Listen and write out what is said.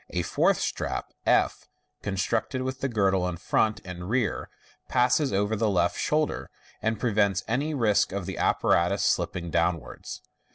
A fourth strap^, con aected with the girdle in front and rear, passes over the left shoulder, and prevents any risk of the apparatus slipping downwards.